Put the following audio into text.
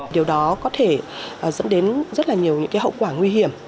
điều đó có thể dẫn đến rất là nhiều những hậu quả nguy hiểm